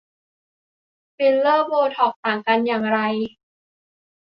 ฟิลเลอร์ โบท็อกซ์ ต่างกันอย่างไร